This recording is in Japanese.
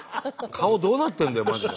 顔どうなってるんだよマジで。